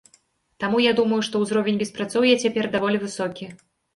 Таму, я думаю, што ўзровень беспрацоўя цяпер даволі высокі.